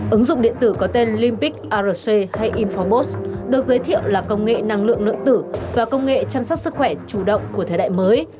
ứng dụng điện tử có tên limpic arc hay informos được giới thiệu là công nghệ năng lượng nội tử và công nghệ chăm sóc sức khỏe chủ động của thời đại mới